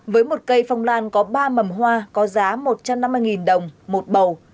với một cây phong lan có ba mầm hoa có giá một trăm năm mươi đồng một bầu